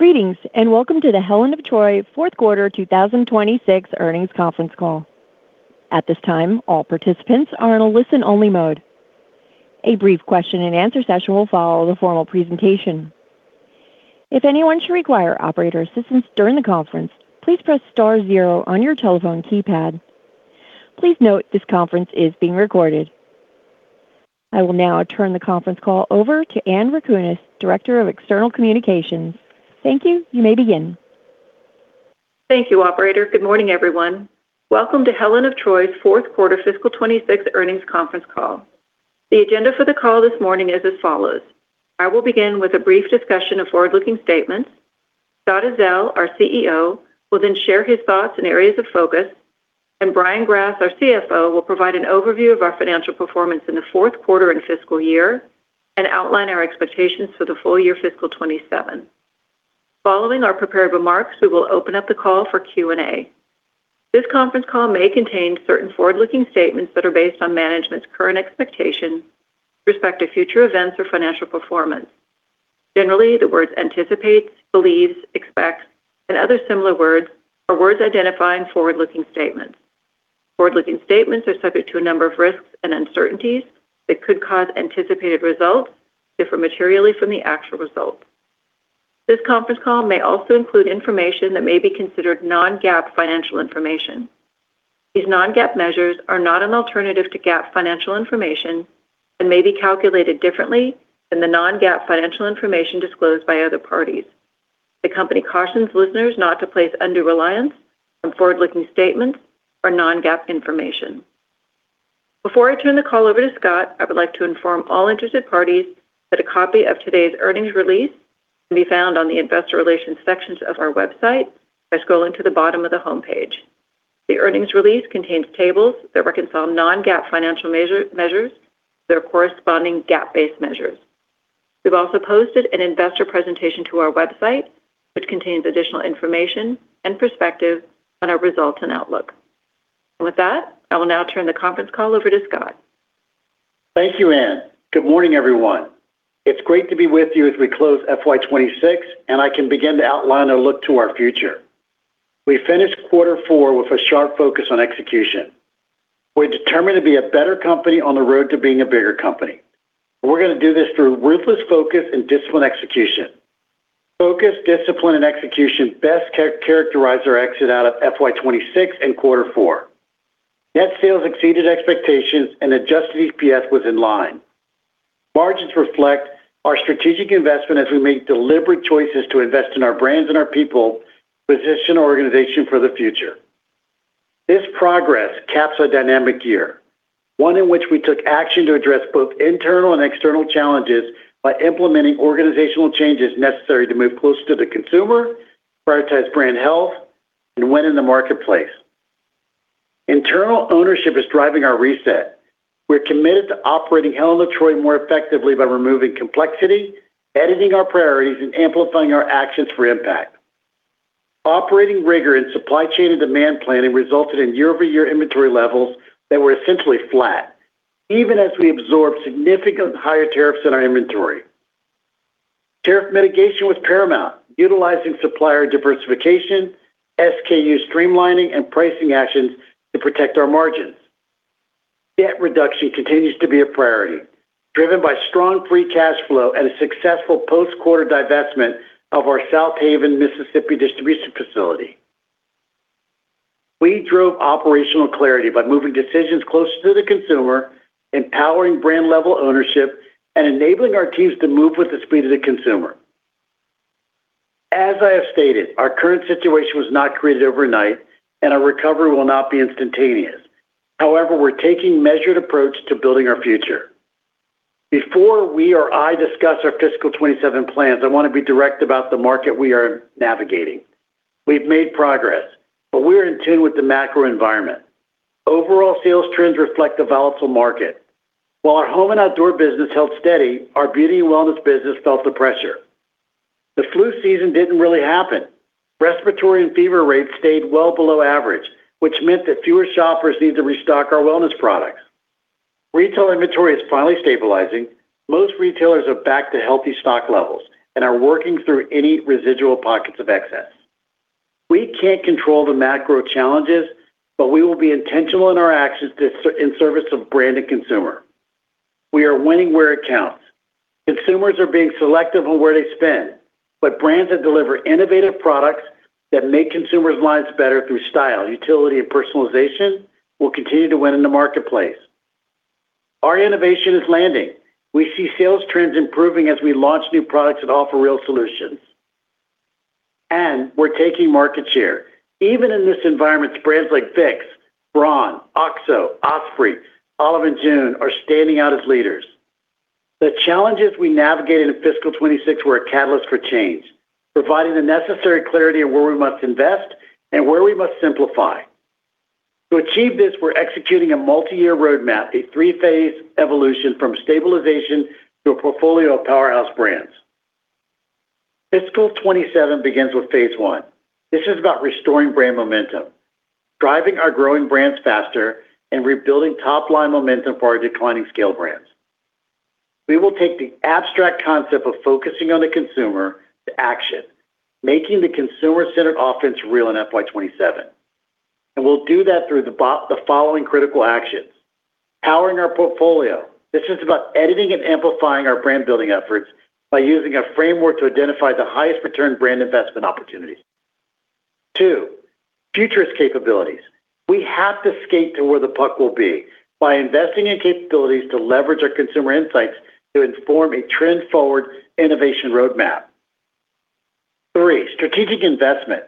Greetings, and welcome to the Helen of Troy Fourth Quarter 2026 Earnings Conference Call. At this time, all participants are in a listen-only mode. A brief question and answer session will follow the formal presentation. If anyone should require operator assistance during the conference, please press star zero on your telephone keypad. Please note this conference is being recorded. I will now turn the conference call over to Anne Rakunas, Director of External Communications. Thank you. You may begin. Thank you, operator. Good morning, everyone. Welcome to Helen of Troy's Fourth Quarter Fiscal 2026 Earnings Conference Call. The agenda for the call this morning is as follows. I will begin with a brief discussion of forward-looking statements. Scott Uzzell, our CEO, will then share his thoughts and areas of focus. Brian Grass, our CFO, will provide an overview of our financial performance in the fourth quarter and fiscal year and outline our expectations for the full year fiscal 2027. Following our prepared remarks, we will open up the call for Q&A. This conference call may contain certain forward-looking statements that are based on management's current expectations with respect to future events or financial performance. Generally, the words "anticipates," "believes," "expects," and other similar words are words identifying forward-looking statements. Forward-looking statements are subject to a number of risks and uncertainties that could cause anticipated results to differ materially from the actual results. This conference call may also include information that may be considered non-GAAP financial information. These non-GAAP measures are not an alternative to GAAP financial information and may be calculated differently than the non-GAAP financial information disclosed by other parties. The company cautions listeners not to place undue reliance on forward-looking statements or non-GAAP information. Before I turn the call over to Scott, I would like to inform all interested parties that a copy of today's earnings release can be found on the investor relations sections of our website by scrolling to the bottom of the homepage. The earnings release contains tables that reconcile non-GAAP financial measures, their corresponding GAAP-based measures. We've also posted an investor presentation to our website, which contains additional information and perspective on our results and outlook. With that, I will now turn the conference call over to Scott. Thank you, Anne. Good morning, everyone. It's great to be with you as we close FY 2026, and I can begin to outline our look to our future. We finished quarter four with a sharp focus on execution. We're determined to be a better company on the road to being a bigger company. We're going to do this through ruthless focus and disciplined execution. Focus, discipline, and execution best characterize our exit out of FY 2026 and quarter four. Net sales exceeded expectations and adjusted EPS was in line. Margins reflect our strategic investment as we make deliberate choices to invest in our brands and our people, position our organization for the future. This progress caps a dynamic year, one in which we took action to address both internal and external challenges by implementing organizational changes necessary to move closer to the consumer, prioritize brand health, and win in the marketplace. Internal ownership is driving our reset. We're committed to operating Helen of Troy more effectively by removing complexity, editing our priorities, and amplifying our actions for impact. Operating rigor in supply chain and demand planning resulted in year-over-year inventory levels that were essentially flat, even as we absorbed significantly higher tariffs in our inventory. Tariff mitigation was paramount, utilizing supplier diversification, SKU streamlining, and pricing actions to protect our margins. Debt reduction continues to be a priority, driven by strong free cash flow and a successful post-quarter divestment of our Southaven, Mississippi, distribution facility. We drove operational clarity by moving decisions closer to the consumer, empowering brand-level ownership, and enabling our teams to move with the speed of the consumer. As I have stated, our current situation was not created overnight and our recovery will not be instantaneous. However, we're taking a measured approach to building our future. Before I discuss our fiscal 2027 plans, I want to be direct about the market we are navigating. We've made progress, but we're in tune with the macro environment. Overall sales trends reflect a volatile market. While our home and outdoor business held steady, our beauty and wellness business felt the pressure. The flu season didn't really happen. Respiratory and fever rates stayed well below average, which meant that fewer shoppers needed to restock our wellness products. Retail inventory is finally stabilizing. Most retailers are back to healthy stock levels and are working through any residual pockets of excess. We can't control the macro challenges, but we will be intentional in our actions in service of brand and consumer. We are winning where it counts. Consumers are being selective on where they spend, but brands that deliver innovative products that make consumers' lives better through style, utility, and personalization will continue to win in the marketplace. Our innovation is landing. We see sales trends improving as we launch new products that offer real solutions. We're taking market share. Even in this environment, brands like Vicks, Braun, OXO, Osprey, Olive & June are standing out as leaders. The challenges we navigated in fiscal 2026 were a catalyst for change, providing the necessary clarity of where we must invest and where we must simplify. To achieve this, we're executing a multi-year roadmap, a three-phase evolution from stabilization to a portfolio of powerhouse brands. Fiscal 2027 begins with phase I. This is about restoring brand momentum, driving our growing brands faster, and rebuilding top-line momentum for our declining scale brands. We will take the abstract concept of focusing on the consumer to action, making the consumer-centered offense real in FY 2027. We'll do that through the following critical actions. Powering our portfolio. This is about editing and amplifying our brand-building efforts by using a framework to identify the highest return brand investment opportunities. Two, future capabilities. We have to skate to where the puck will be by investing in capabilities to leverage our consumer insights to inform a trend forward innovation roadmap. Three, strategic investment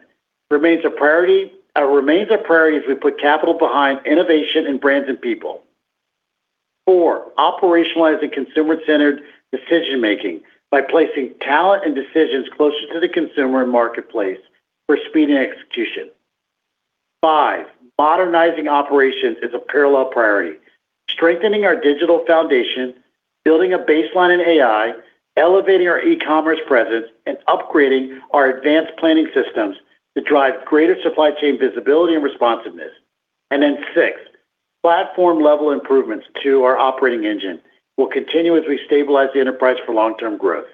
remains a priority as we put capital behind innovation in brands and people. Four, operationalizing consumer-centered decision-making by placing talent and decisions closer to the consumer and marketplace for speed and execution. Five, modernizing operations is a parallel priority. Strengthening our digital foundation, building a baseline in AI, elevating our e-commerce presence, and upgrading our advanced planning systems to drive greater supply chain visibility and responsiveness. Then sixth, platform level improvements to our operating engine will continue as we stabilize the enterprise for long-term growth.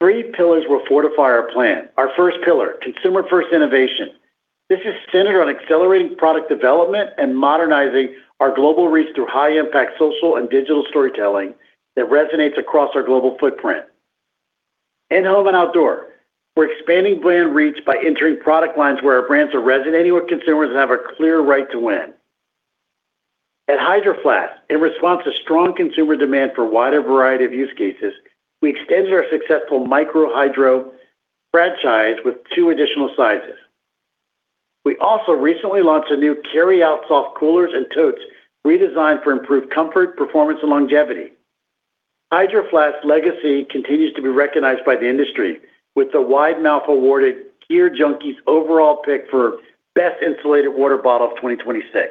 Three pillars will fortify our plan. Our first pillar, consumer-first innovation. This is centered on accelerating product development and modernizing our global reach through high impact social and digital storytelling that resonates across our global footprint. In Home and Outdoor, we're expanding brand reach by entering product lines where our brands are resonating with consumers and have a clear right to win. At Hydro Flask, in response to strong consumer demand for a wider variety of use cases, we extended our successful Micro Hydro franchise with two additional sizes. We also recently launched a new carryout soft coolers and totes, redesigned for improved comfort, performance, and longevity. Hydro Flask's legacy continues to be recognized by the industry with the Wide Mouth awarded GearJunkie's overall pick for best insulated water bottle of 2026.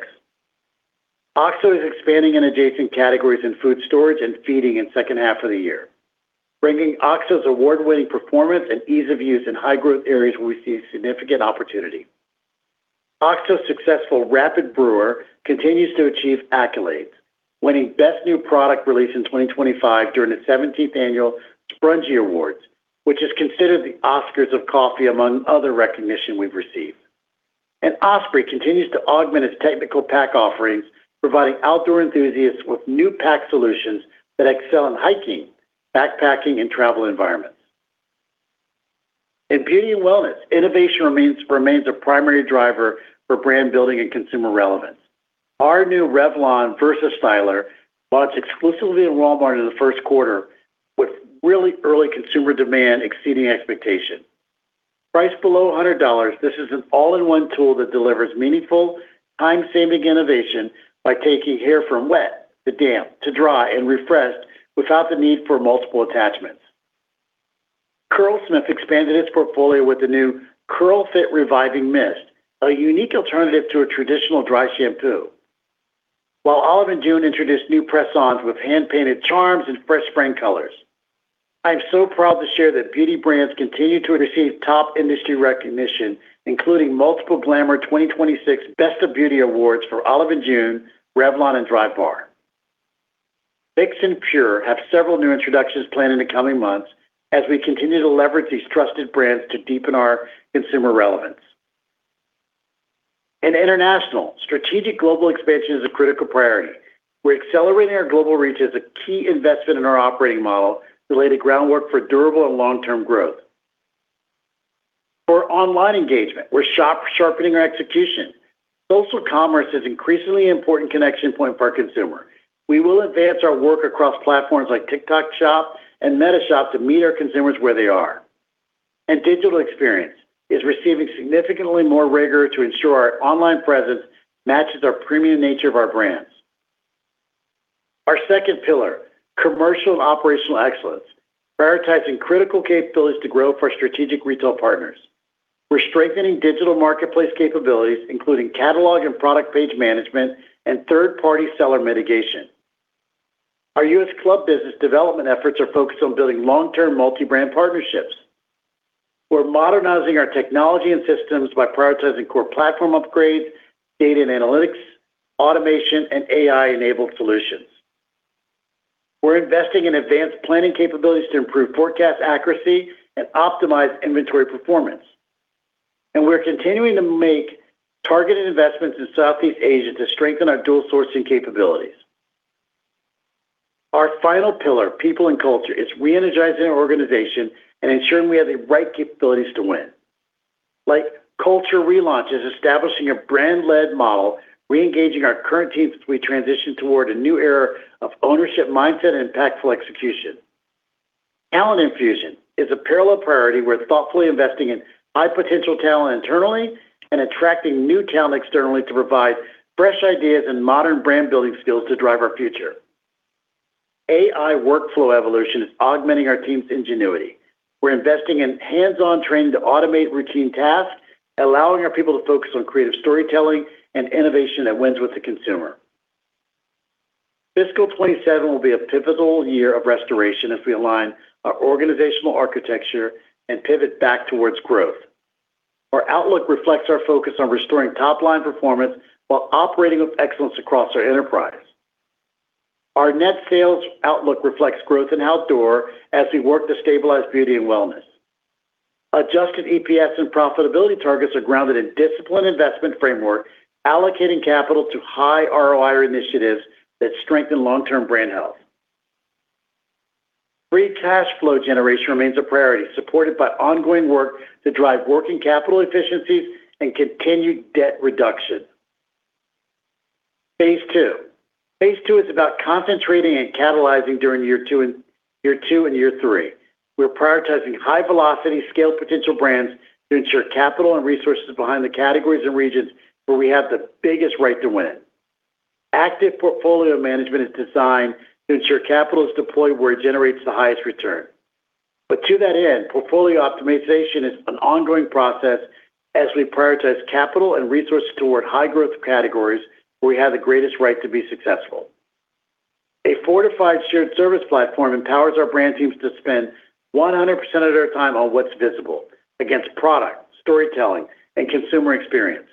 OXO is expanding in adjacent categories in food storage and feeding in the H2 of the year, bringing OXO's award-winning performance and ease of use in high growth areas where we see significant opportunity. OXO's successful Rapid Brewer continues to achieve accolades, winning Best New Product Release in 2025 during the 17th Annual Sprudgie Awards, which is considered the Oscars of coffee, among other recognition we've received. Osprey continues to augment its technical pack offerings, providing outdoor enthusiasts with new pack solutions that excel in hiking, backpacking, and travel environments. In beauty and wellness, innovation remains a primary driver for brand building and consumer relevance. Our new Revlon VersaStyler launched exclusively in Walmart in the first quarter, with really early consumer demand exceeding expectation. Priced below $100, this is an all-in-one tool that delivers meaningful, time-saving innovation by taking hair from wet, to damp, to dry, and refreshed without the need for multiple attachments. Curlsmith expanded its portfolio with the new Curl Fit Reviving Mist, a unique alternative to a traditional dry shampoo. While Olive & June introduced new press-ons with hand-painted charms and fresh spring colors. I am so proud to share that beauty brands continue to receive top industry recognition, including multiple Glamour 2026 Best of Beauty Awards for Olive & June, Revlon, and Drybar. Vicks and PUR have several new introductions planned in the coming months as we continue to leverage these trusted brands to deepen our consumer relevance. In international, strategic global expansion is a critical priority. We're accelerating our global reach as a key investment in our operating model to lay the groundwork for durable and long-term growth. For online engagement, we're sharpening our execution. Social commerce is an increasingly important connection point for our consumer. We will advance our work across platforms like TikTok Shop and Meta Shops to meet our consumers where they are, and digital experience is receiving significantly more rigor to ensure our online presence matches our premium nature of our brands. Our second pillar, commercial and operational excellence, prioritizing critical capabilities to grow for our strategic retail partners. We're strengthening digital marketplace capabilities, including catalog and product page management and third-party seller mitigation. Our U.S. club business development efforts are focused on building long-term multi-brand partnerships. We're modernizing our technology and systems by prioritizing core platform upgrades, data and analytics, automation, and AI-enabled solutions. We're investing in advanced planning capabilities to improve forecast accuracy and optimize inventory performance. We're continuing to make targeted investments in Southeast Asia to strengthen our dual sourcing capabilities. Our final pillar, people and culture, is re-energizing our organization and ensuring we have the right capabilities to win. Our culture relaunch is establishing a brand-led model, re-engaging our current teams as we transition toward a new era of ownership mindset and impactful execution. Talent infusion is a parallel priority. We're thoughtfully investing in high-potential talent internally and attracting new talent externally to provide fresh ideas and modern brand-building skills to drive our future. AI workflow evolution is augmenting our team's ingenuity. We're investing in hands-on training to automate routine tasks, allowing our people to focus on creative storytelling and innovation that wins with the consumer. Fiscal 2027 will be a pivotal year of restoration as we align our organizational architecture and pivot back towards growth. Our outlook reflects our focus on restoring top-line performance while operating with excellence across our enterprise. Our net sales outlook reflects growth in outdoor as we work to stabilize beauty and wellness. Adjusted EPS and profitability targets are grounded in disciplined investment framework, allocating capital to high ROI initiatives that strengthen long-term brand health. Free cash flow generation remains a priority, supported by ongoing work to drive working capital efficiencies and continued debt reduction. Phase II, phase II is about concentrating and catalyzing during year two and year three. We're prioritizing high-velocity scale potential brands to ensure capital and resources behind the categories and regions where we have the biggest right to win. Active portfolio management is designed to ensure capital is deployed where it generates the highest return. To that end, portfolio optimization is an ongoing process as we prioritize capital and resources toward high-growth categories where we have the greatest right to be successful. A fortified shared service platform empowers our brand teams to spend 100% of their time on what's visible, against product, storytelling, and consumer experience.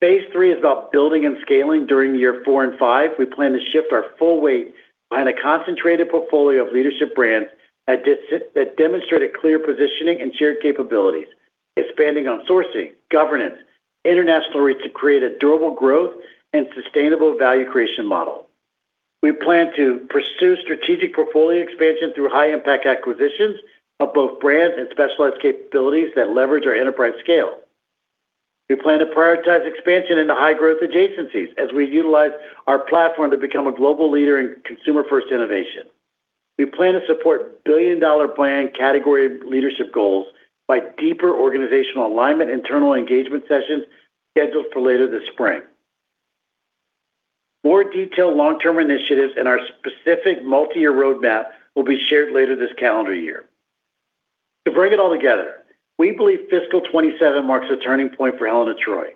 Phase III is about building and scaling during year four and five. We plan to shift our full weight behind a concentrated portfolio of leadership brands that demonstrate a clear positioning and shared capabilities, expanding on sourcing, governance, international reach to create a durable growth and sustainable value creation model. We plan to pursue strategic portfolio expansion through high-impact acquisitions of both brands and specialized capabilities that leverage our enterprise scale. We plan to prioritize expansion into high-growth adjacencies as we utilize our platform to become a global leader in consumer-first innovation. We plan to support billion-dollar brand category leadership goals by deeper organizational alignment, internal engagement sessions scheduled for later this spring. More detailed long-term initiatives in our specific multi-year roadmap will be shared later this calendar year. To bring it all together, we believe fiscal 2027 marks a turning point for Helen of Troy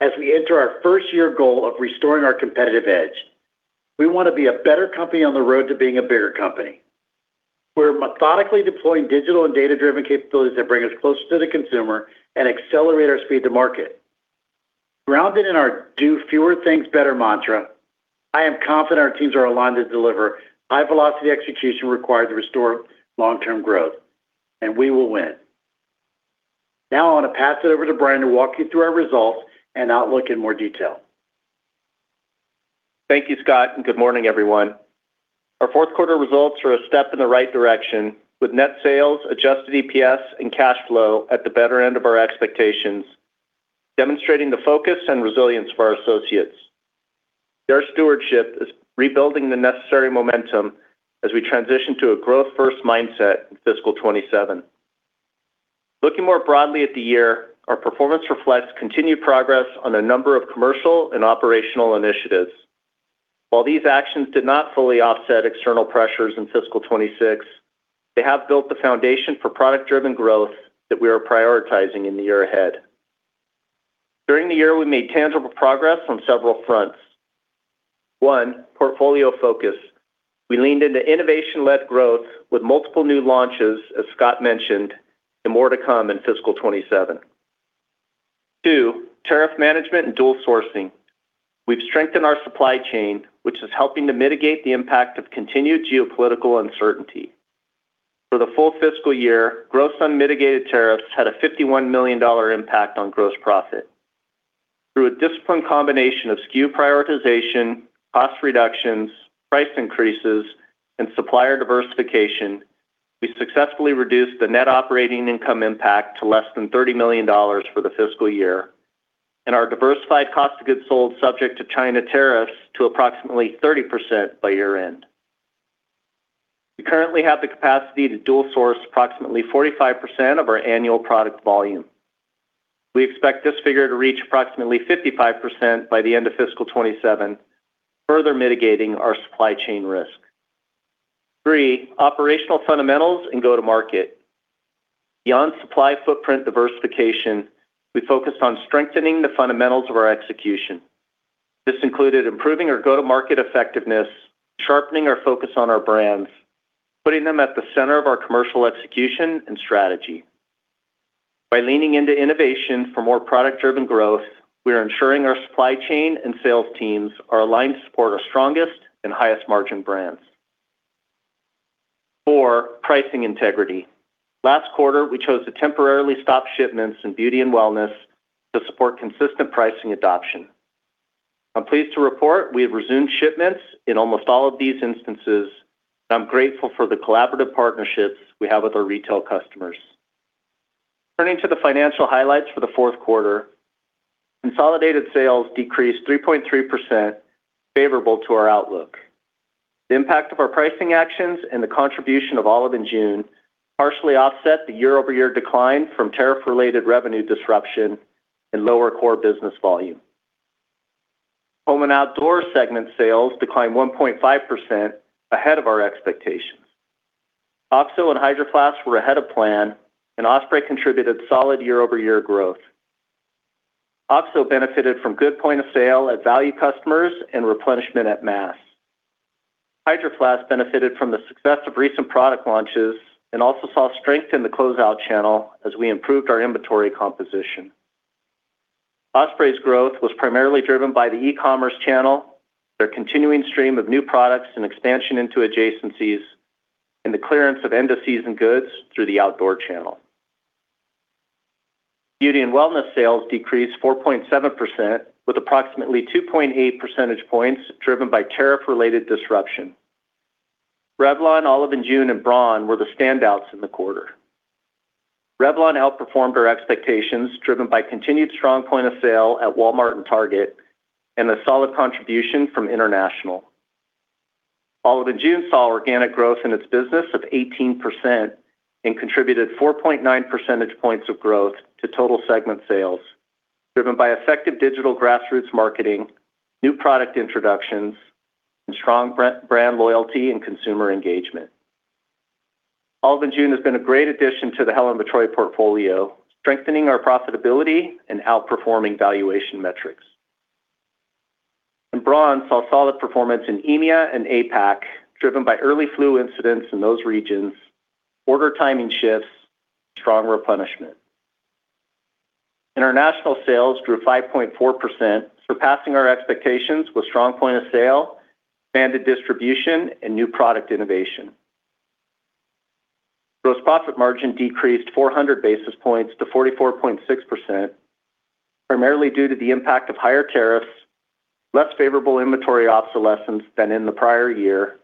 as we enter our first-year goal of restoring our competitive edge. We want to be a better company on the road to being a bigger company. We're methodically deploying digital and data-driven capabilities that bring us closer to the consumer and accelerate our speed to market. Grounded in our do fewer things better mantra, I am confident our teams are aligned to deliver high-velocity execution required to restore long-term growth, and we will win. Now I want to pass it over to Brian Grass to walk you through our results and outlook in more detail. Thank you, Scott, and good morning, everyone. Our fourth quarter results are a step in the right direction with net sales, adjusted EPS, and cash flow at the better end of our expectations, demonstrating the focus and resilience for our associates. Their stewardship is rebuilding the necessary momentum as we transition to a growth-first mindset in fiscal 2027. Looking more broadly at the year, our performance reflects continued progress on a number of commercial and operational initiatives. While these actions did not fully offset external pressures in fiscal 2026, they have built the foundation for product-driven growth that we are prioritizing in the year ahead. During the year, we made tangible progress on several fronts. One, portfolio focus. We leaned into innovation-led growth with multiple new launches, as Scott mentioned, and more to come in fiscal 2027. Two, tariff management and dual sourcing. We've strengthened our supply chain, which is helping to mitigate the impact of continued geopolitical uncertainty. For the full fiscal year, gross unmitigated tariffs had a $51 million impact on gross profit. Through a disciplined combination of SKU prioritization, cost reductions, price increases, and supplier diversification, we successfully reduced the net operating income impact to less than $30 million for the fiscal year, and our diversified cost of goods sold subject to China tariffs to approximately 30% by year-end. We currently have the capacity to dual source approximately 45% of our annual product volume. We expect this figure to reach approximately 55% by the end of fiscal 2027, further mitigating our supply chain risk. Three, operational fundamentals and go to market. Beyond supply footprint diversification, we focused on strengthening the fundamentals of our execution. This included improving our go-to-market effectiveness, sharpening our focus on our brands, putting them at the center of our commercial execution and strategy. By leaning into innovation for more product-driven growth, we are ensuring our supply chain and sales teams are aligned to support our strongest and highest margin brands. Four, pricing integrity. Last quarter, we chose to temporarily stop shipments in beauty and wellness to support consistent pricing adoption. I'm pleased to report we have resumed shipments in almost all of these instances. I'm grateful for the collaborative partnerships we have with our retail customers. Turning to the financial highlights for the fourth quarter, consolidated sales decreased 3.3% favorable to our outlook. The impact of our pricing actions and the contribution of Olive & June partially offset the year-over-year decline from tariff-related revenue disruption and lower core business volume. Home and Outdoor segment sales declined 1.5% ahead of our expectations. OXO and Hydro Flask were ahead of plan, and Osprey contributed solid year-over-year growth. OXO benefited from good point of sale at value customers and replenishment at mass. Hydro Flask benefited from the success of recent product launches and also saw strength in the closeout channel as we improved our inventory composition. Osprey's growth was primarily driven by the e-commerce channel, their continuing stream of new products and expansion into adjacencies, and the clearance of end-of-season goods through the outdoor channel. Beauty and wellness sales decreased 4.7% with approximately 2.8 percentage points driven by tariff-related disruption. Revlon, Olive & June, and Braun were the standouts in the quarter. Revlon outperformed our expectations, driven by continued strong point of sale at Walmart and Target, and a solid contribution from international. Olive & June saw organic growth in its business of 18% and contributed 4.9 percentage points of growth to total segment sales, driven by effective digital grassroots marketing, new product introductions, and strong brand loyalty and consumer engagement. Olive & June has been a great addition to the Helen of Troy portfolio, strengthening our profitability and outperforming valuation metrics. Braun saw solid performance in EMEA and APAC, driven by early flu incidents in those regions, order timing shifts, strong replenishment. International sales grew 5.4%, surpassing our expectations with strong point of sale, expanded distribution, and new product innovation. Gross profit margin decreased 400 basis points to 44.6%, primarily due to the impact of higher tariffs, less favorable inventory obsolescence than in the prior year,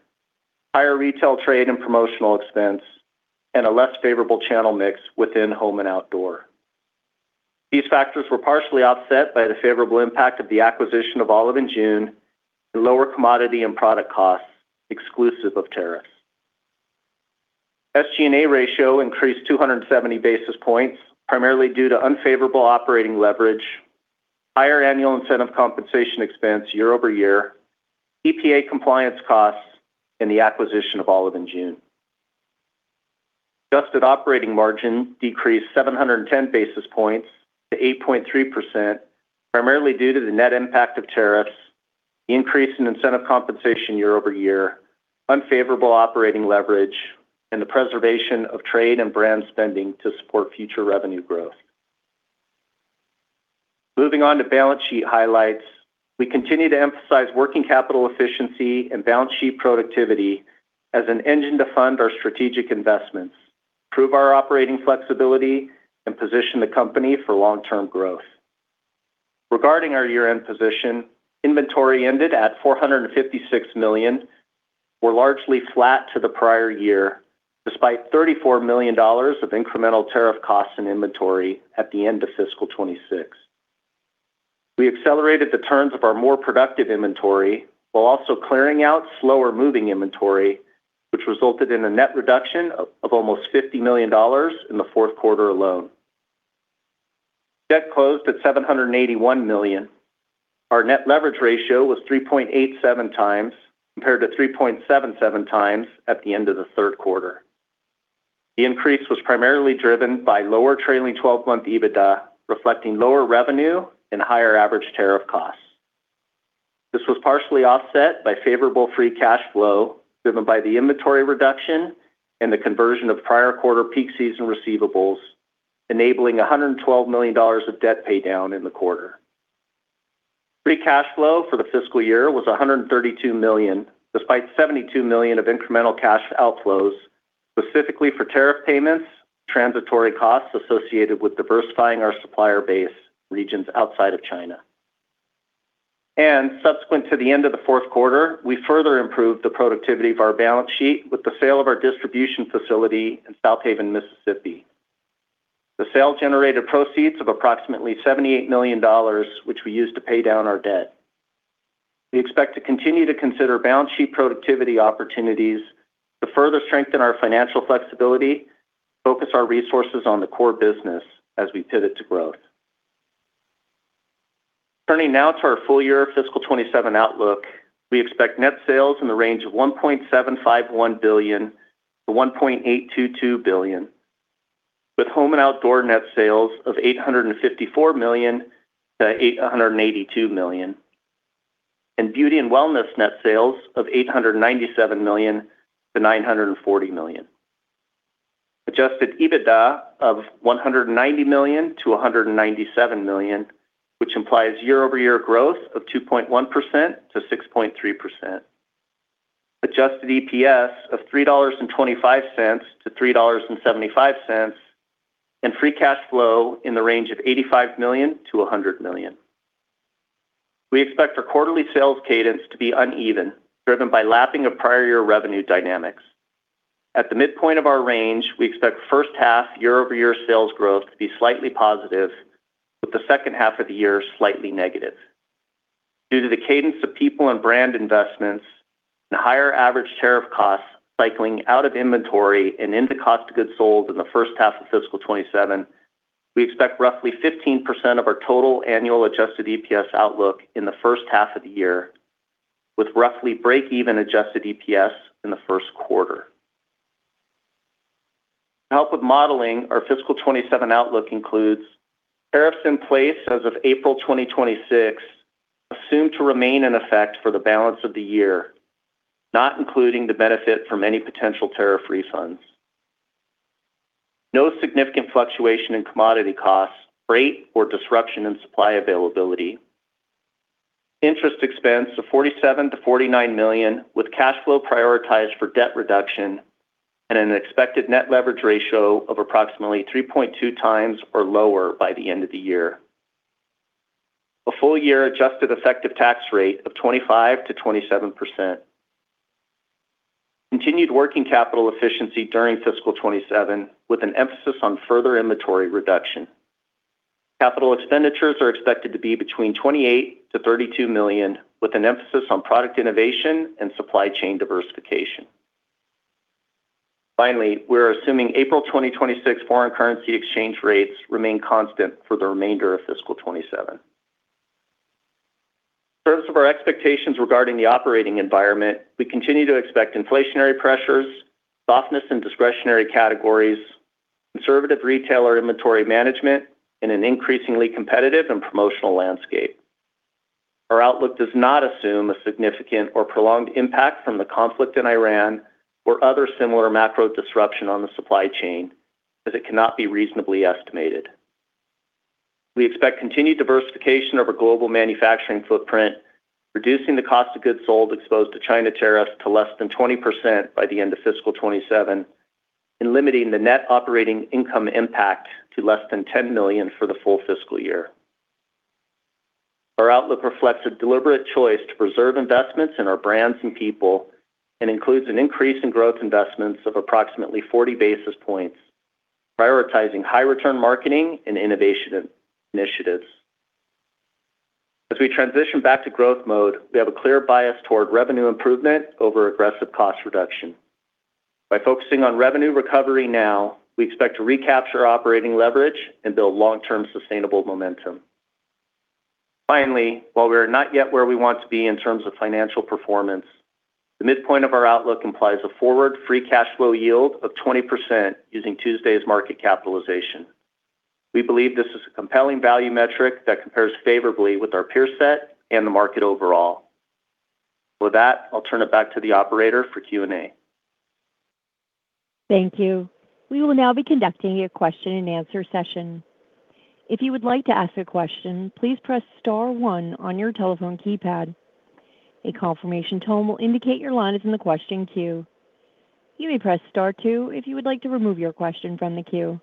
higher retail trade and promotional expense, and a less favorable channel mix within home and outdoor. These factors were partially offset by the favorable impact of the acquisition of Olive & June and lower commodity and product costs exclusive of tariffs. SG&A ratio increased 270 basis points, primarily due to unfavorable operating leverage, higher annual incentive compensation expense year over year, EPA compliance costs, and the acquisition of Olive & June. Adjusted operating margin decreased 710 basis points to 8.3%, primarily due to the net impact of tariffs, the increase in incentive compensation year-over-year, unfavorable operating leverage, and the preservation of trade and brand spending to support future revenue growth. Moving on to balance sheet highlights, we continue to emphasize working capital efficiency and balance sheet productivity as an engine to fund our strategic investments, improve our operating flexibility, and position the company for long-term growth. Regarding our year-end position, inventory ended at $456 million. We're largely flat to the prior year, despite $34 million of incremental tariff costs and inventory at the end of FY 2026. We accelerated the turns of our more productive inventory while also clearing out slower-moving inventory, which resulted in a net reduction of almost $50 million in the fourth quarter alone. Debt closed at $781 million. Our net leverage ratio was 3.87x compared to 3.77x at the end of the third quarter. The increase was primarily driven by lower trailing 12-month EBITDA, reflecting lower revenue and higher average tariff costs. This was partially offset by favorable free cash flow driven by the inventory reduction and the conversion of prior quarter peak season receivables, enabling $112 million of debt paydown in the quarter. Free cash flow for the fiscal year was $132 million, despite $72 million of incremental cash outflows, specifically for tariff payments, transitory costs associated with diversifying our supplier base to regions outside of China. Subsequent to the end of the fourth quarter, we further improved the productivity of our balance sheet with the sale of our distribution facility in Southaven, Mississippi. The sale generated proceeds of approximately $78 million, which we used to pay down our debt. We expect to continue to consider balance sheet productivity opportunities to further strengthen our financial flexibility, focus our resources on the core business as we pivot to growth. Turning now to our full-year fiscal 2027 outlook, we expect net sales in the range of $1.751 billion to $1.822 billion, with Home and Outdoor net sales of $854 million to $882 million, and Beauty and Wellness net sales of $897 million to $940 million. Adjusted EBITDA of $190 million to $197 million, which implies year-over-year growth of 2.1% to 6.3%. Adjusted EPS of $3.25 to $3.75, and free cash flow in the range of $85 million to $100 million. We expect our quarterly sales cadence to be uneven, driven by lapping of prior year revenue dynamics. At the midpoint of our range, we expect H1 year-over-year sales growth to be slightly positive, with the H2 of the year slightly negative. Due to the cadence of people and brand investments and higher average tariff costs cycling out of inventory and into cost of goods sold in the H1 of fiscal 2027, we expect roughly 15% of our total annual adjusted EPS outlook in the H1 of the year, with roughly break-even adjusted EPS in the first quarter. Help with modeling our fiscal 2027 outlook includes tariffs in place as of April 2026, assumed to remain in effect for the balance of the year, not including the benefit from any potential tariff refunds. No significant fluctuation in commodity costs, rate, or disruption in supply availability. Interest expense of $47 million to $49 million, with cash flow prioritized for debt reduction and an expected net leverage ratio of approximately 3.2x or lower by the end of the year. A full year adjusted effective tax rate of 25% to 27%. Continued working capital efficiency during fiscal 2027, with an emphasis on further inventory reduction. Capital expenditures are expected to be between $28 million to $32 million, with an emphasis on product innovation and supply chain diversification. Finally, we're assuming April 2026 foreign currency exchange rates remain constant for the remainder of fiscal 2027. In terms of our expectations regarding the operating environment, we continue to expect inflationary pressures, softness in discretionary categories, conservative retailer inventory management, in an increasingly competitive and promotional landscape. Our outlook does not assume a significant or prolonged impact from the conflict in Iran or other similar macro disruption on the supply chain, as it cannot be reasonably estimated. We expect continued diversification of our global manufacturing footprint, reducing the cost of goods sold exposed to China tariffs to less than 20% by the end of fiscal 2027, and limiting the net operating income impact to less than $10 million for the full fiscal year. Our outlook reflects a deliberate choice to preserve investments in our brands and people, and includes an increase in growth investments of approximately 40 basis points, prioritizing high return marketing and innovation initiatives. As we transition back to growth mode, we have a clear bias toward revenue improvement over aggressive cost reduction. By focusing on revenue recovery now, we expect to recapture operating leverage and build long-term sustainable momentum. Finally, while we are not yet where we want to be in terms of financial performance, the midpoint of our outlook implies a forward free cash flow yield of 20% using Tuesday's market capitalization. We believe this is a compelling value metric that compares favorably with our peer set and the market overall. With that, I'll turn it back to the operator for Q&A. Thank you. We will now be conducting a question and answer session. If you would like to ask a question, please press star one on your telephone keypad. A confirmation tone will indicate your line is in the question queue. You may press star two if you would like to remove your question from the queue.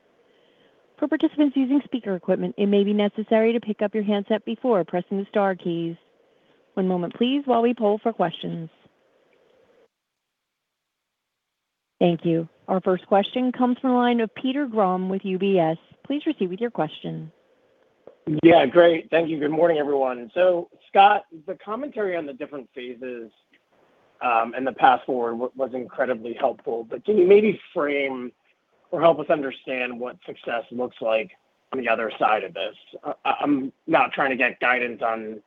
For participants using speaker equipment, it may be necessary to pick up your handset before pressing the star keys. One moment, please, while we poll for questions. Thank you. Our first question comes from the line of Peter Grom with UBS. Please proceed with your question. Yeah, great. Thank you. Good morning, everyone. Scott, the commentary on the different phases, and the path forward was incredibly helpful. Can you maybe frame or help us understand what success looks like on the other side of this? I'm not trying to get guidance on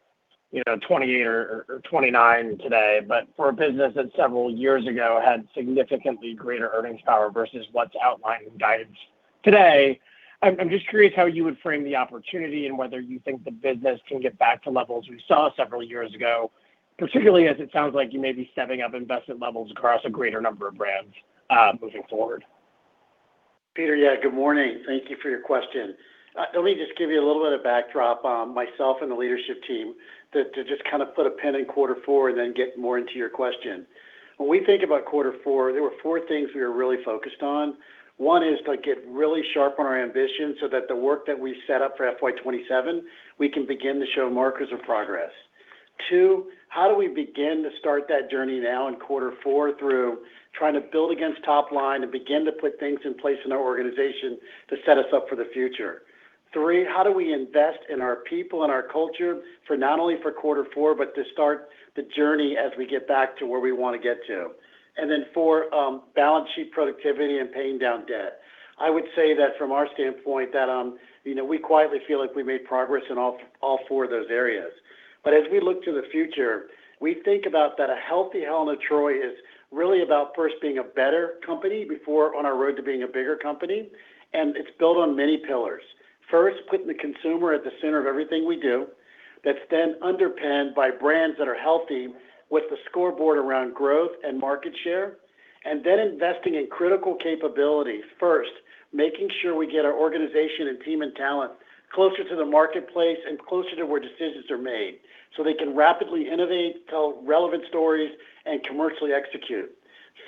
28 or 29 today, but for a business that several years ago had significantly greater earnings power versus what's outlined in guidance today, I'm just curious how you would frame the opportunity and whether you think the business can get back to levels we saw several years ago, particularly as it sounds like you may be stepping up investment levels across a greater number of brands, moving forward. Peter, yeah. Good morning. Thank you for your question. Let me just give you a little bit of backdrop on myself and the leadership team to just kind of put a pin in quarter four and then get more into your question. When we think about quarter four, there were four things we were really focused on. One is to get really sharp on our ambition so that the work that we set up for FY 2027, we can begin to show markers of progress. Two, how do we begin to start that journey now in quarter four through trying to build against top line and begin to put things in place in our organization to set us up for the future? Three, how do we invest in our people and our culture for not only quarter four, but to start the journey as we get back to where we want to get to? And then four, balance sheet productivity and paying down debt. I would say that from our standpoint that we quietly feel like we made progress in all four of those areas. As we look to the future, we think about that a healthy Helen of Troy is really about first being a better company before on our road to being a bigger company, and it's built on many pillars. First, putting the consumer at the center of everything we do. That's then underpinned by brands that are healthy with the scoreboard around growth and market share, and then investing in critical capabilities. First, making sure we get our organization and team and talent closer to the marketplace and closer to where decisions are made so they can rapidly innovate, tell relevant stories and commercially execute.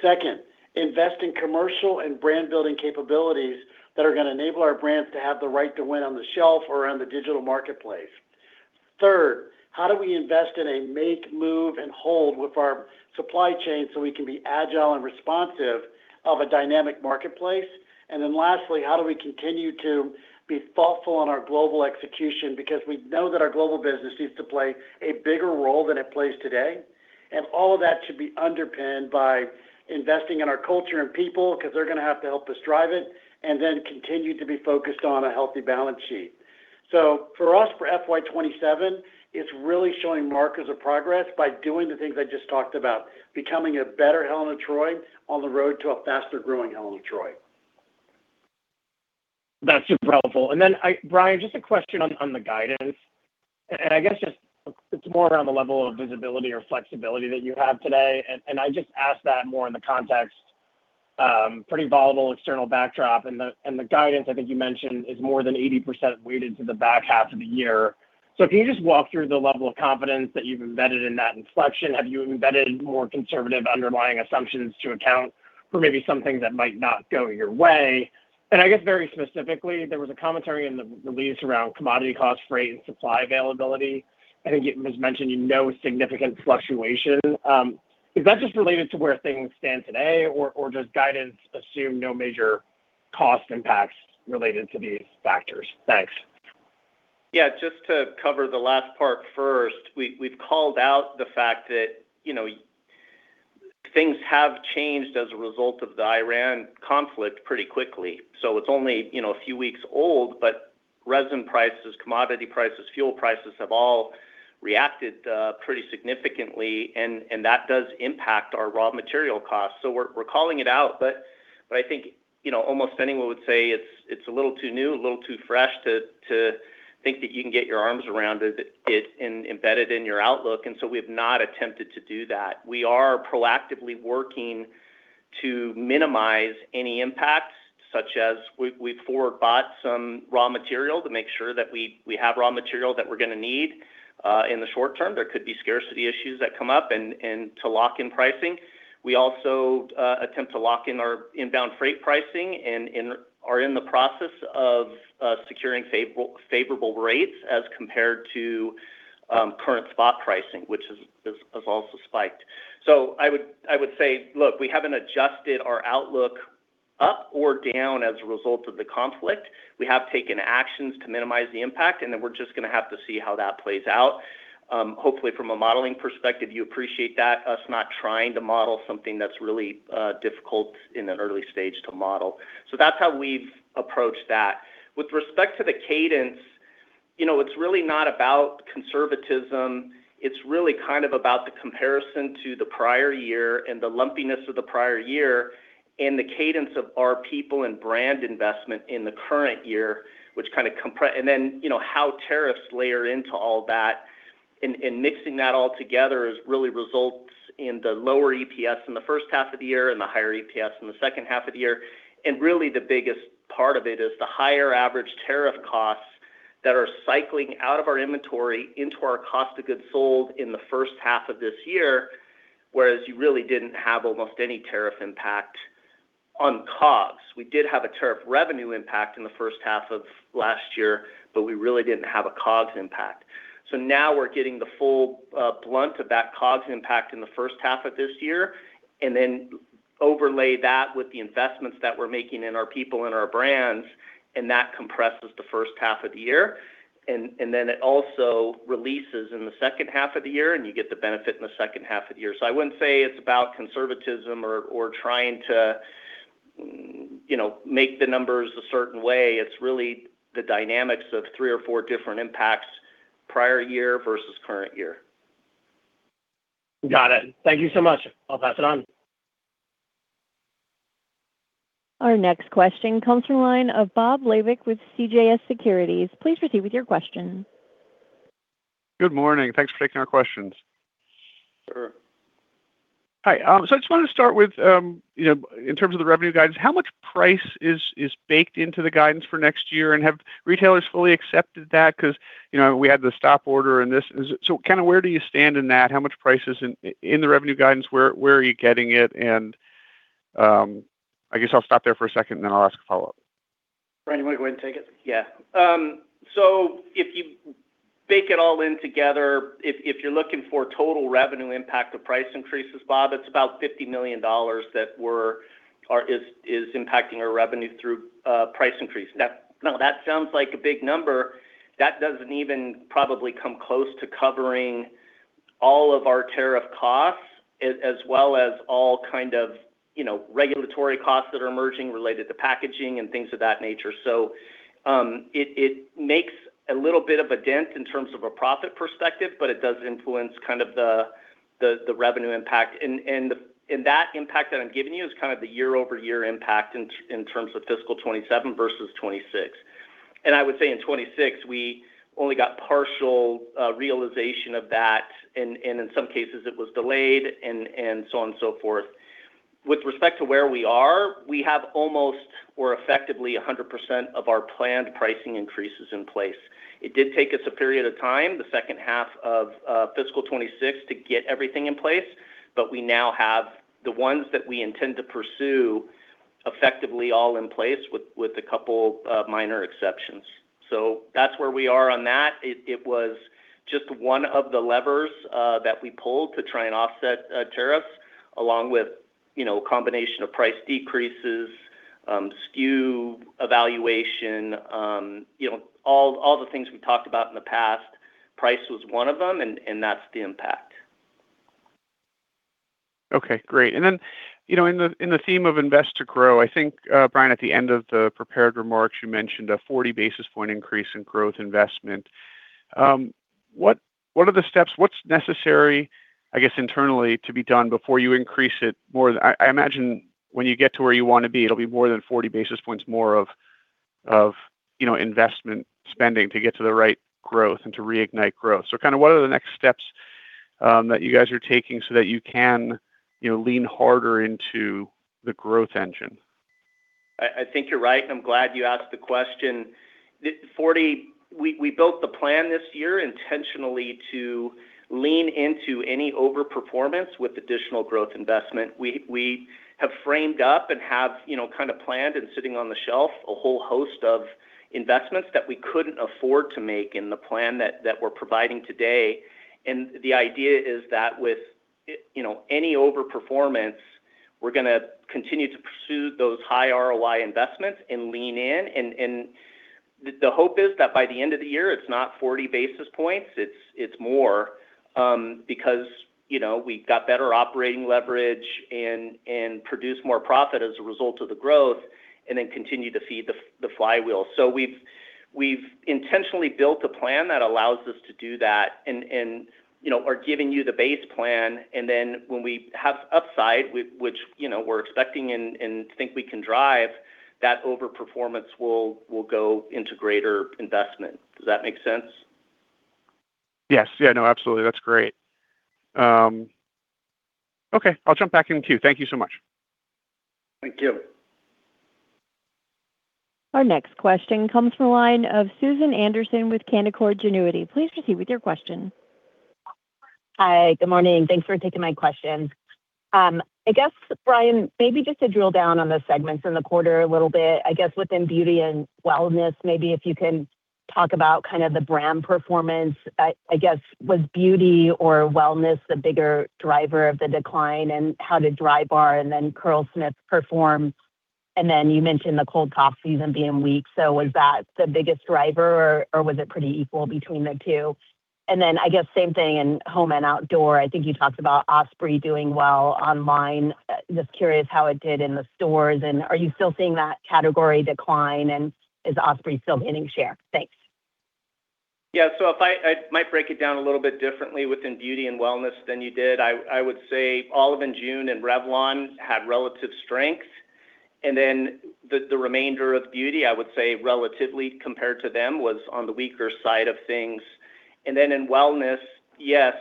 Second, invest in commercial and brand building capabilities that are going to enable our brands to have the right to win on the shelf or on the digital marketplace. Third, how do we invest in a make, move and hold with our supply chain so we can be agile and responsive of a dynamic marketplace? Lastly, how do we continue to be thoughtful on our global execution? Because we know that our global business needs to play a bigger role than it plays today, and all of that should be underpinned by investing in our culture and people, because they're going to have to help us drive it and then continue to be focused on a healthy balance sheet. For us, for FY 2027, it's really showing markers of progress by doing the things I just talked about, becoming a better Helen of Troy on the road to a faster growing Helen of Troy. That's super helpful. Then, Brian, just a question on the guidance, and I guess it's more around the level of visibility or flexibility that you have today. I just ask that more in the context, pretty volatile external backdrop, and the guidance I think you mentioned is more than 80% weighted to the back half of the year. Can you just walk through the level of confidence that you've embedded in that inflection? Have you embedded more conservative underlying assumptions to account for maybe some things that might not go your way? I guess very specifically, there was a commentary in the release around commodity cost, freight, and supply availability. I think it was mentioned, no significant fluctuation. Is that just related to where things stand today? Or does guidance assume no major cost impacts related to these factors? Thanks. Yeah, just to cover the last part first, we've called out the fact that things have changed as a result of the Iran conflict pretty quickly. It's only a few weeks old, but resin prices, commodity prices, fuel prices, have all reacted pretty significantly, and that does impact our raw material costs. We're calling it out, but I think almost anyone would say it's a little too new, a little too fresh to think that you can get your arms around it and embed it in your outlook. We have not attempted to do that. We are proactively working to minimize any impact, such as we forward bought some raw material to make sure that we have raw material that we're going to need in the short term. There could be scarcity issues that come up and to lock in pricing. We also attempt to lock in our inbound freight pricing and are in the process of securing favorable rates as compared to current spot pricing, which has also spiked. I would say, look, we haven't adjusted our outlook up or down as a result of the conflict. We have taken actions to minimize the impact, and then we're just going to have to see how that plays out. Hopefully, from a modeling perspective, you appreciate that, us not trying to model something that's really difficult in an early stage to model. That's how we've approached that. With respect to the cadence, it's really not about conservatism. It's really kind of about the comparison to the prior year and the lumpiness of the prior year and the cadence of our people and brand investment in the current year. Then, how tariffs layer into all that and mixing that all together really results in the lower EPS in the H1 of the year and the higher EPS in the H2 of the year. Really the biggest part of it is the higher average tariff costs that are cycling out of our inventory into our cost of goods sold in the H1 of this year, whereas you really didn't have almost any tariff impact on COGS. We did have a tariff revenue impact in the H1 of last year, but we really didn't have a COGS impact. Now we're getting the full brunt of that COGS impact in the H1 of this year, and then overlay that with the investments that we're making in our people and our brands, and that compresses the H1 of the year. Then it also releases in the H2 of the year, and you get the benefit in the H2 of the year. I wouldn't say it's about conservatism or trying to make the numbers a certain way. It's really the dynamics of three or four different impacts prior year versus current year. Got it. Thank you so much. I'll pass it on. Our next question comes from the line of Robert Labick with CJS Securities. Please proceed with your question. Good morning. Thanks for taking our questions. Sure. Hi, I just wanted to start with, in terms of the revenue guidance, how much price is baked into the guidance for next year? Have retailers fully accepted that? We had the stop order and this. Kind of where do you stand in that? How much price is in the revenue guidance? Where are you getting it? I guess I'll stop there for a second, and then I'll ask a follow-up. Brian, you want to go ahead and take it? Yeah. If you bake it all in together, if you're looking for total revenue impact of price increases, Bob, it's about $50 million that is impacting our revenue through price increase. Now, that sounds like a big number. That doesn't even probably come close to covering all of our tariff costs as well as all kind of regulatory costs that are emerging related to packaging and things of that nature. It makes a little bit of a dent in terms of a profit perspective, but it does influence kind of the revenue impact. That impact that I'm giving you is kind of the year-over-year impact in terms of fiscal 2027 versus 2026. I would say in 2026, we only got partial realization of that, and in some cases it was delayed, and so on and so forth. With respect to where we are, we have almost or effectively 100% of our planned pricing increases in place. It did take us a period of time, the H2 of fiscal 2026, to get everything in place. We now have the ones that we intend to pursue effectively all in place with a couple of minor exceptions. That's where we are on that. It was just one of the levers that we pulled to try and offset tariffs along with a combination of price decreases, SKU evaluation, all the things we talked about in the past. Price was one of them, and that's the impact. Okay, great. Then, in the theme of invest to grow, I think, Brian, at the end of the prepared remarks, you mentioned a 40 basis point increase in growth investment. What are the steps, what's necessary, I guess, internally to be done before you increase it more? I imagine when you get to where you want to be, it'll be more than 40 basis points more of investment spending to get to the right growth and to reignite growth. Kind of what are the next steps that you guys are taking so that you can lean harder into the growth engine? I think you're right, and I'm glad you asked the question. We built the plan this year intentionally to lean into any over-performance with additional growth investment. We have framed up and have kind of planned and sitting on the shelf a whole host of investments that we couldn't afford to make in the plan that we're providing today. The idea is that with any over-performance, we're going to continue to pursue those high ROI investments and lean in. The hope is that by the end of the year, it's not 40 basis points, it's more, because we've got better operating leverage and produce more profit as a result of the growth and then continue to feed the flywheel. We've intentionally built a plan that allows us to do that and are giving you the base plan. When we have upside, which we're expecting and think we can drive, that over-performance will go into greater investment. Does that make sense? Yes. No, absolutely. That's great. Okay. I'll jump back in queue. Thank you so much. Thank you. Our next question comes from the line of Susan Anderson with Canaccord Genuity. Please proceed with your question. Hi. Good morning. Thanks for taking my question. I guess, Brian, maybe just to drill down on the segments in the quarter a little bit, I guess within Beauty and Wellness, maybe if you can talk about kind of the brand performance, I guess was Beauty or Wellness the bigger driver of the decline and how did Drybar and then Curlsmith perform? Then you mentioned the cold cough season being weak. Was that the biggest driver or was it pretty equal between the two? Then I guess same thing in Home and Outdoor. I think you talked about Osprey doing well online. Just curious how it did in the stores and are you still seeing that category decline and is Osprey still gaining share? Thanks. Yeah. I might break it down a little bit differently within beauty and wellness than you did. I would say Olive & June and Revlon had relative strength, and then the remainder of beauty, I would say relatively compared to them was on the weaker side of things. In wellness, yes,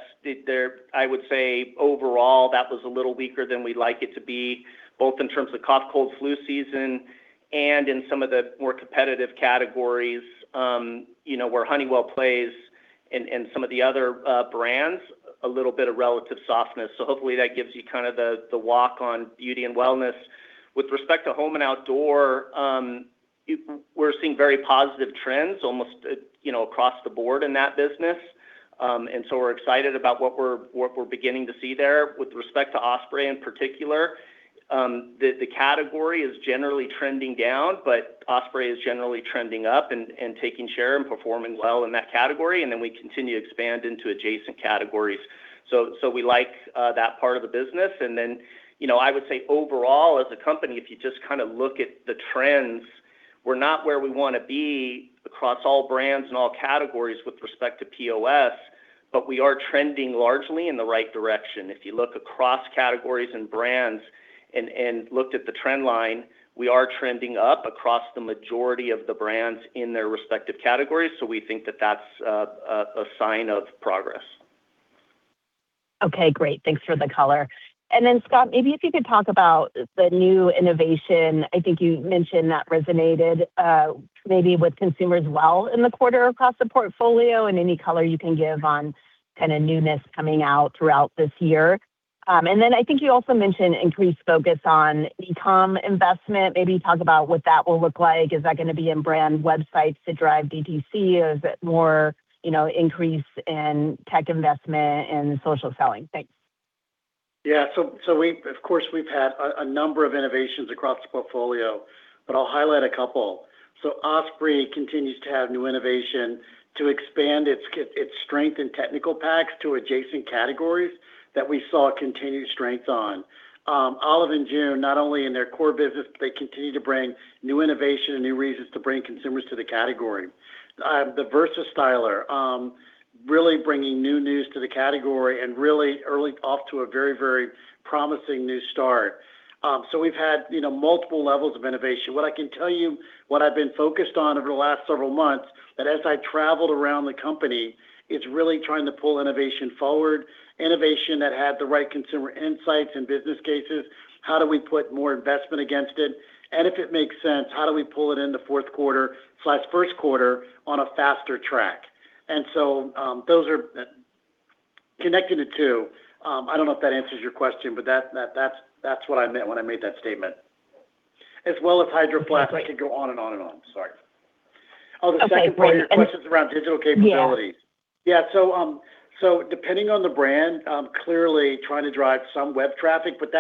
I would say overall that was a little weaker than we'd like it to be, both in terms of cough, cold, flu season and in some of the more competitive categories where Honeywell plays and some of the other brands, a little bit of relative softness. Hopefully that gives you kind of the walk on beauty and wellness. With respect to home and outdoor, we're seeing very positive trends almost across the board in that business. We're excited about what we're beginning to see there. With respect to Osprey in particular, the category is generally trending down, but Osprey is generally trending up and taking share and performing well in that category, and then we continue to expand into adjacent categories. We like that part of the business. I would say overall as a company, if you just kind of look at the trends, we're not where we want to be across all brands and all categories with respect to POS, but we are trending largely in the right direction. If you look across categories and brands and looked at the trend line, we are trending up across the majority of the brands in their respective categories. We think that that's a sign of progress. Okay, great. Thanks for the color. Scott, maybe if you could talk about the new innovation. I think you mentioned that resonated maybe with consumers well in the quarter across the portfolio and any color you can give on kind of newness coming out throughout this year. I think you also mentioned increased focus on e-com investment. Maybe talk about what that will look like. Is that going to be in brand websites to drive DTC or is it more increase in tech investment and social selling? Thanks. Yeah. Of course, we've had a number of innovations across the portfolio, but I'll highlight a couple. Osprey continues to have new innovation to expand its strength in technical packs to adjacent categories that we saw continued strength on. Olive & June, not only in their core business, but they continue to bring new innovation and new reasons to bring consumers to the category. The VersaStyler, really bringing new news to the category and really early off to a very promising new start. We've had multiple levels of innovation. What I can tell you, what I've been focused on over the last several months, that as I traveled around the company is really trying to pull innovation forward, innovation that had the right consumer insights and business cases. How do we put more investment against it? If it makes sense, how do we pull it into fourth quarter/first quarter on a faster track? Those are connected to two. I don't know if that answers your question, but that's what I meant when I made that statement. As well as Hydro Flask. I could go on and on. Sorry. Oh, the second part of your question is around digital capabilities. Yeah. Depending on the brand, clearly trying to drive some web traffic, but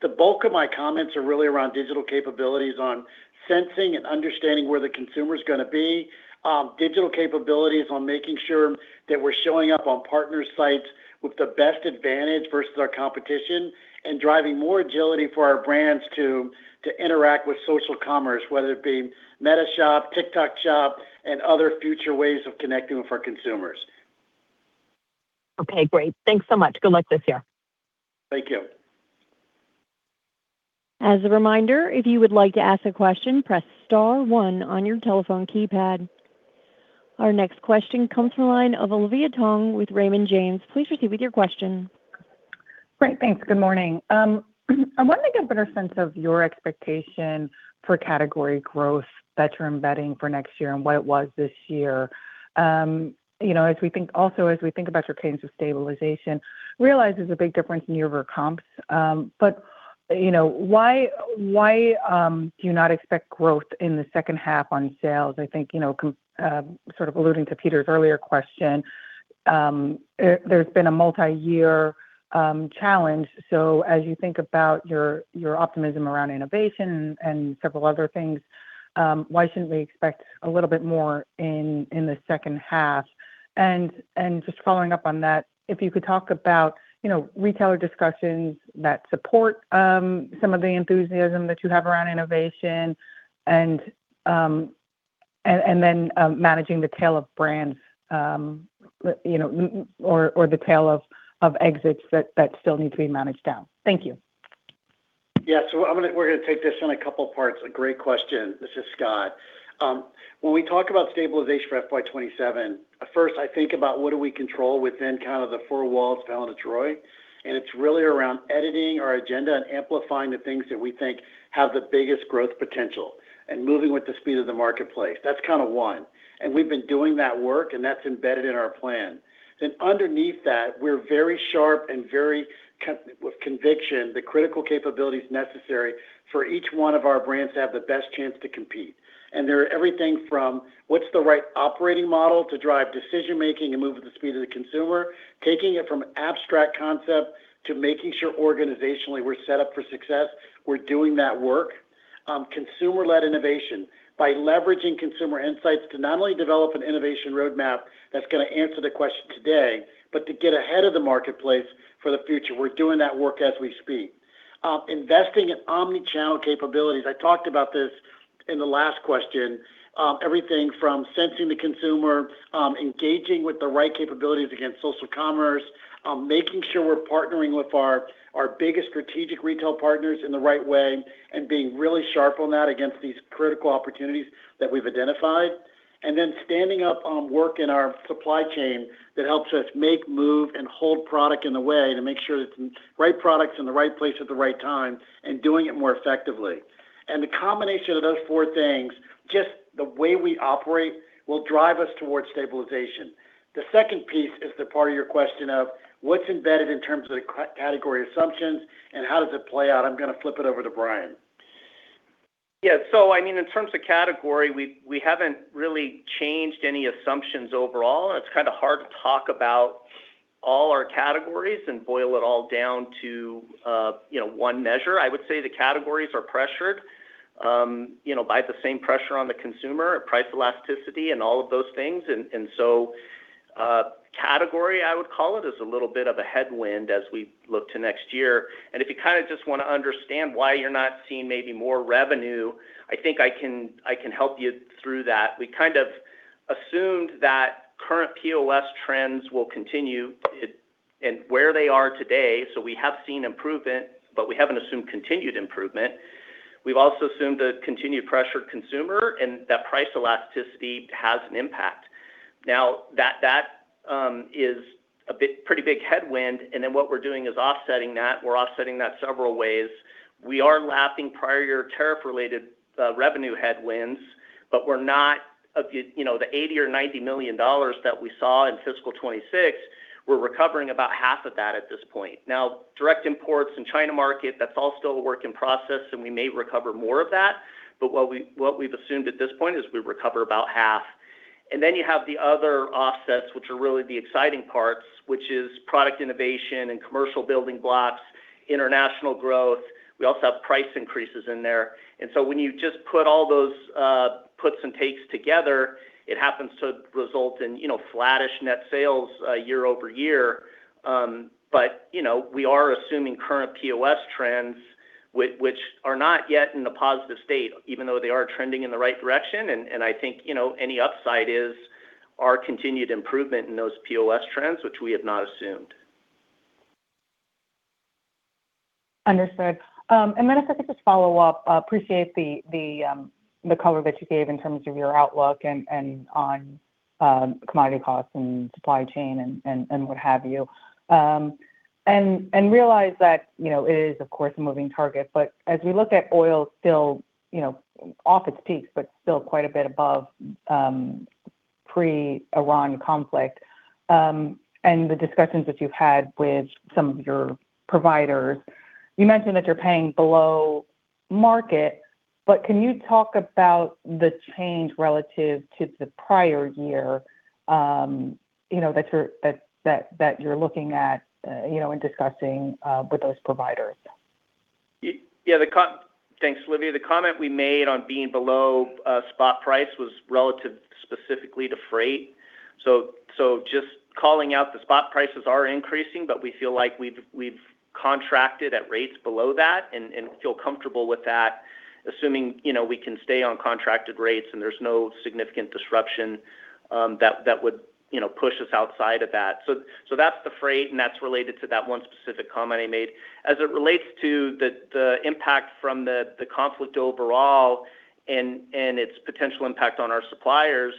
the bulk of my comments are really around digital capabilities on sensing and understanding where the consumer's going to be. Digital capabilities on making sure that we're showing up on partner sites with the best advantage versus our competition, and driving more agility for our brands to interact with social commerce, whether it be Meta Shops, TikTok Shop, and other future ways of connecting with our consumers. Okay, great. Thanks so much. Good luck this year. Thank you. As a reminder, if you would like to ask a question, press star one on your telephone keypad. Our next question comes from the line of Olivia Tong with Raymond James. Please proceed with your question. Great. Thanks. Good morning. I'm wanting to get a better sense of your expectation for category growth, better embedding for next year, and what it was this year. Also, as we think about your cadence of stabilization, realize there's a big difference in year-over-year comps. Why do you not expect growth in the H2 on sales? I think, sort of alluding to Peter's earlier question, there's been a multi-year challenge. As you think about your optimism around innovation and several other things, why shouldn't we expect a little bit more in the H2? Just following up on that, if you could talk about retailer discussions that support some of the enthusiasm that you have around innovation and then managing the tail of brands or the tail of exits that still need to be managed down. Thank you. Yeah. We're going to take this in a couple parts. A great question. This is Scott. When we talk about stabilization for FY 2027, first I think about what do we control within kind of the four walls of Helen of Troy, and it's really around editing our agenda and amplifying the things that we think have the biggest growth potential and moving with the speed of the marketplace. That's kind of one. We've been doing that work and that's embedded in our plan. Underneath that, we're very sharp and very with conviction, the critical capabilities necessary for each one of our brands to have the best chance to compete. They're everything from what's the right operating model to drive decision making and move at the speed of the consumer, taking it from abstract concept to making sure organizationally we're set up for success. We're doing that work. Consumer-led innovation by leveraging consumer insights to not only develop an innovation roadmap that's going to answer the question today, but to get ahead of the marketplace for the future. We're doing that work as we speak. Investing in omnichannel capabilities. I talked about this in the last question. Everything from sensing the consumer, engaging with the right capabilities against social commerce, making sure we're partnering with our biggest strategic retail partners in the right way, and being really sharp on that against these critical opportunities that we've identified. Standing up work in our supply chain that helps us make, move, and hold product in the way to make sure it's the right product in the right place at the right time, and doing it more effectively. The combination of those four things, just the way we operate will drive us towards stabilization. The second piece is the part of your question of what's embedded in terms of the category assumptions and how does it play out? I'm going to flip it over to Brian. Yeah. In terms of category, we haven't really changed any assumptions overall. It's kind of hard to talk about all our categories and boil it all down to one measure. I would say the categories are pressured by the same pressure on the consumer, price elasticity, and all of those things. Category, I would call it, is a little bit of a headwind as we look to next year. If you kind of just want to understand why you're not seeing maybe more revenue, I think I can help you through that. We kind of assumed that current POS trends will continue and where they are today, so we have seen improvement, but we haven't assumed continued improvement. We've also assumed a continued pressured consumer and that price elasticity has an impact. Now, that is a pretty big headwind, and then what we're doing is offsetting that. We're offsetting that several ways. We are lapping prior year tariff related revenue headwinds, but the $80 to $90 million that we saw in fiscal 2026, we're recovering about half of that at this point. Now, direct imports and China market, that's all still a work in process, and we may recover more of that, but what we've assumed at this point is we recover about half. Then you have the other offsets, which are really the exciting parts, which is product innovation and commercial building blocks, international growth. We also have price increases in there. When you just put all those puts and takes together, it happens to result in flattish net sales year-over-year. We are assuming current POS trends, which are not yet in a positive state, even though they are trending in the right direction. I think any upside is our continued improvement in those POS trends, which we have not assumed. Understood. If I could just follow up, appreciate the color that you gave in terms of your outlook and on commodity costs and supply chain and what have you. Realize that it is, of course, a moving target. As we look at oil still off its peaks, but still quite a bit above pre-Iran conflict, and the discussions that you've had with some of your providers, you mentioned that you're paying below market, but can you talk about the change relative to the prior year that you're looking at and discussing with those providers? Yeah. Thanks, Olivia. The comment we made on being below spot price was relative specifically to freight. Just calling out the spot prices are increasing, but we feel like we've contracted at rates below that and feel comfortable with that, assuming we can stay on contracted rates and there's no significant disruption that would push us outside of that. That's the freight, and that's related to that one specific comment I made. As it relates to the impact from the conflict overall and its potential impact on our suppliers,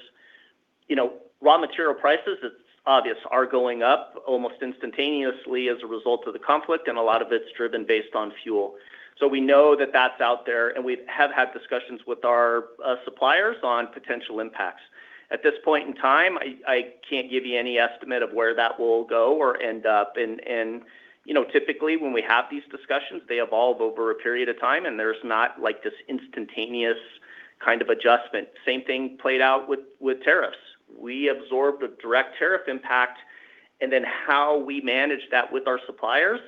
raw material prices, it's obvious, are going up almost instantaneously as a result of the conflict, and a lot of it's driven based on fuel. We know that that's out there, and we have had discussions with our suppliers on potential impacts. At this point in time, I can't give you any estimate of where that will go or end up. Typically when we have these discussions, they evolve over a period of time, and there's not this instantaneous kind of adjustment. Same thing played out with tariffs. We absorbed a direct tariff impact, and then how we managed that with our suppliers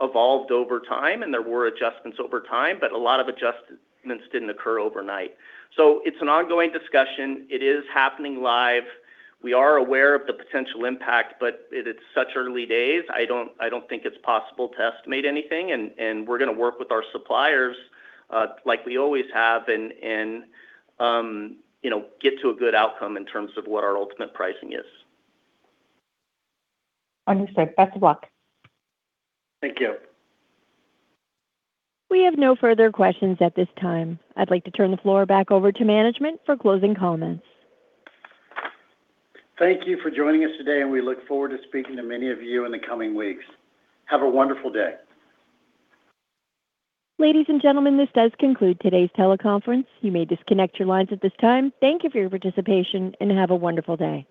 evolved over time, and there were adjustments over time, but a lot of adjustments didn't occur overnight. It's an ongoing discussion. It is happening live. We are aware of the potential impact, but it is such early days, I don't think it's possible to estimate anything, and we're going to work with our suppliers like we always have and get to a good outcome in terms of what our ultimate pricing is. Understood. Best of luck. Thank you. We have no further questions at this time. I'd like to turn the floor back over to management for closing comments. Thank you for joining us today, and we look forward to speaking to many of you in the coming weeks. Have a wonderful day. Ladies and gentlemen, this does conclude today's teleconference. You may disconnect your lines at this time. Thank you for your participation, and have a wonderful day.